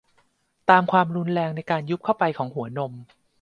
ตามความรุนแรงในการยุบเข้าไปของหัวนม